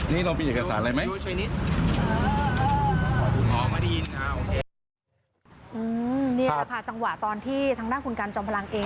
นี่แหละค่ะจังหวะตอนที่ทางด้านคุณกันจอมพลังเอง